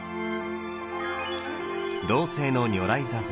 銅製の如来坐像。